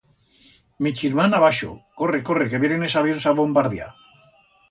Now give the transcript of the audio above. Mi chirmán abaixo: corre, corre, que vienen es avions a bombardiar.